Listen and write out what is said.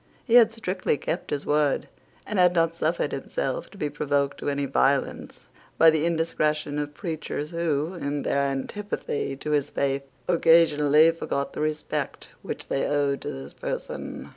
He had strictly kept his word, and had not suffered himself to be provoked to any violence by the indiscretion of preachers who, in their antipathy to his faith, occasionally forgot the respect which they owed to his person.